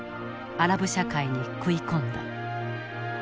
アラブ社会に食い込んだ。